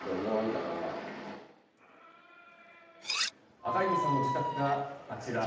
赤池さんの自宅があちら。